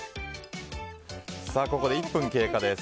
ここで１分経過です。